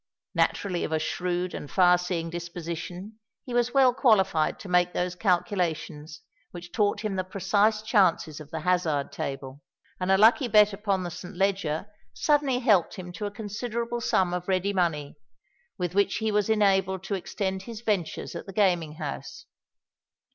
Naturally of a shrewd and far seeing disposition, he was well qualified to make those calculations which taught him the precise chances of the hazard table; and a lucky bet upon the St. Leger suddenly helped him to a considerable sum of ready money, with which he was enabled to extend his ventures at the gaming house.